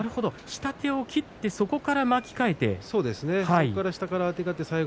下手を切ってそこから巻き替えたんですね。